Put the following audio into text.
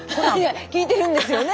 聞いてるんですよね。